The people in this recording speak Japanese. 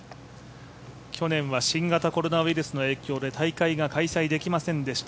去年は新型コロナウイルスの影響で大会が開催されませんでした。